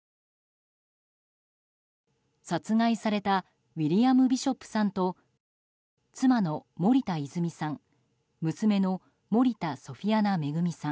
殺害されたウィリアム・ビショップさんと妻の森田泉さん娘の森田ソフィアナ恵さん。